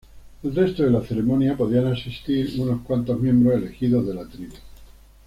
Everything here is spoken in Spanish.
Al resto de la ceremonia podían asistir unos cuantos miembros elegidos de la tribu.